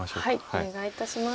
お願いいたします。